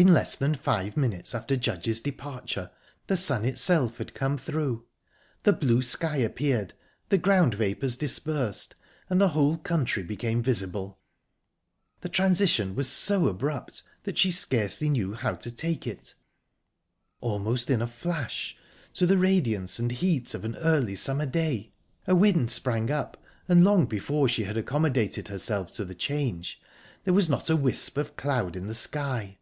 In less than five minutes after Judge's departure the sun itself had come through. The blue sky appeared, the ground vapours dispersed, and the whole country became visible. The transition was so abrupt that she scarcely knew how to take it; almost in a flash, to the radiance and heat of an early summer day. A wind sprang up, and long before she had accommodated herself to the change there was not a wisp of cloud in the sky.